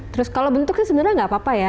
terus kalau bentuknya sebenarnya nggak apa apa ya